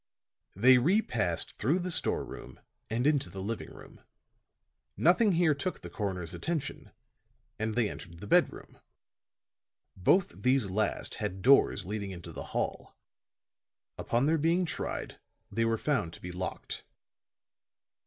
They re passed through the store room and into the living room. Nothing here took the coroner's attention, and they entered the bedroom. Both these last had doors leading into the hall; upon their being tried they were found to be locked.